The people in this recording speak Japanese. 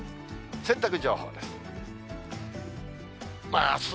洗濯情報です。